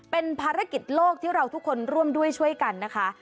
เป็นภารกิจโลกที่เราทุกคนร่วมด้วยช่วยกันนะคะ